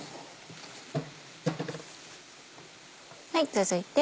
続いて。